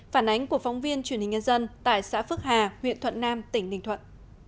phản ánh của phóng viên truyền hình nhân dân tại xã phước hà huyện thuận nam tỉnh ninh thuận